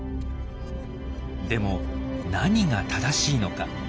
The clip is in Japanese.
でも何が正しいのか。